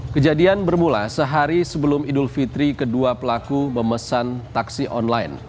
kejadian bermula sehari sebelum idul fitri kedua pelaku memesan taksi online